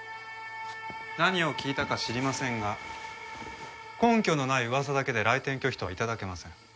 何を聞いたか知りませんが根拠のない噂だけで来店拒否とは頂けません。